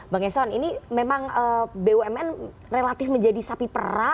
bang eson ini memang bumn relatif menjadi sapi perah